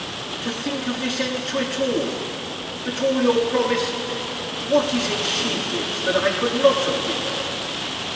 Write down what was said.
"To think of this end to it all! That all your promise ... What is it she gives that I could not have given?